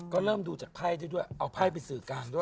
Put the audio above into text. ก็เริ่มดูจากไพ่ด้วยเอาไพ่ไปสื่อกลางด้วย